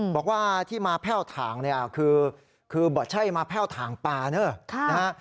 บอกว่าที่มาแพ่วถางคือเบาะไช้มาแพ่วถางป่านี่